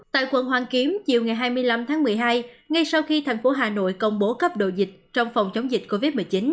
tại quận hoàn kiếm chiều ngày hai mươi năm tháng một mươi hai ngay sau khi thành phố hà nội công bố cấp độ dịch trong phòng chống dịch covid một mươi chín